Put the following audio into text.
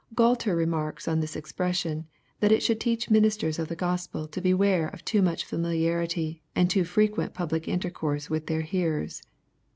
'] Gualter remarks on this expression tha it should teach ministers of the Gospel to beware of too much familiarity, and too frequent public intercourse with their hearers.